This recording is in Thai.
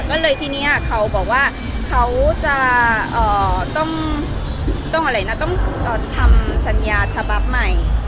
ก็เลยที่นี้เขาบอกว่าเขาจะต้องทำสัญญาชบับใหม่